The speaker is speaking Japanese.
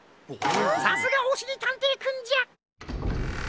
さすがおしりたんていくんじゃ！